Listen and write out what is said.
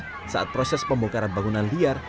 pada saat proses pembongkaran bangunan liar